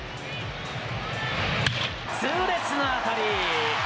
痛烈な当たり。